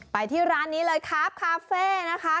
ไปที่ร้านนี้เลยครับคาเฟ่นะคะ